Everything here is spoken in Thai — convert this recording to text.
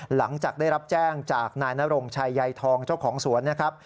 หลังจากได้รับแจ้งจากนายนรงชัยใยทองเจ้าของสวนนะครับ